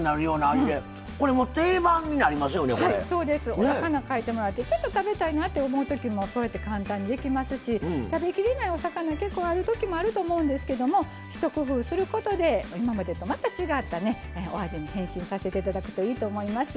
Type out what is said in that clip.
お魚変えてもらってちょっと食べたいなって思う時もそうやって簡単にできますし食べきれないお魚結構ある時もあると思うんですけども一工夫することで今までとまた違ったお味に変身させて頂くといいと思います。